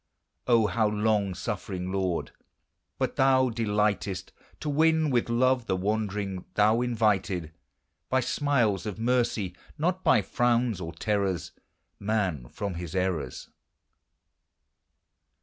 O, how long suffering, Lord! but thou delightest To win with love the wandering: thou invited, By smiles of mercy, not by frowns or terrors, Man from his errors.